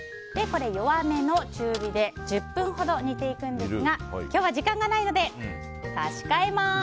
これを弱めの中火で１０分ほど煮ていくんですが今日は時間がないので差し替えます。